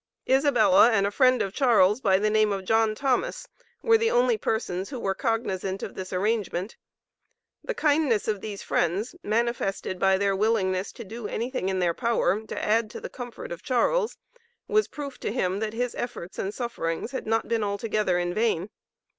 Isabella and a friend of Charles, by the name of John Thomas, were the only persons who were cognizant of this arrangement. The kindness of these friends, manifested by their willingness to do anything in their power to add to the comfort of Charles, was proof to him that his efforts and sufferings had not been altogether in vain.